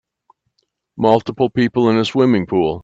Multiple people in a swimming pool.